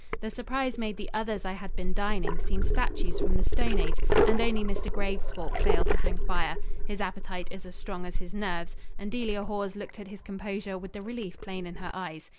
The surprise made the others I had been dining seem statues from the stone age, and only Mr. Graves' fork failed to hang fire. His appetite is as strong as his nerves, and Delia Hawes looked at his composure with the relief plain in her eyes.